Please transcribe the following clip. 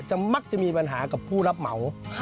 มักจะมีปัญหากับผู้รับเหมา